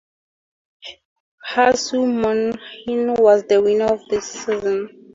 Hsu Mon Hnin was the winner of this season.